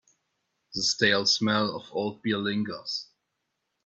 The stale smell of old beer lingers.